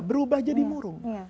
berubah jadi murung